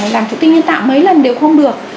làm thụ tinh nhân tạo mấy lần đều không được